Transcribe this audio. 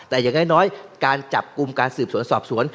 แต่อย่างน้อยการจับกลุ่มการสืบสวนสอบสวน